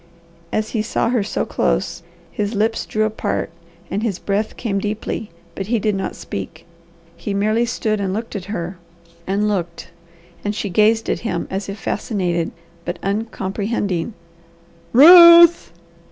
As he saw her so close, his lips drew apart, and his breath came deeply, but he did not speak. He merely stood and looked at her, and looked; and she gazed at him as if fascinated, but uncomprehending. "Ruth!"